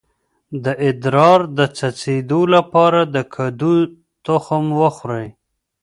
د ادرار د څڅیدو لپاره د کدو تخم وخورئ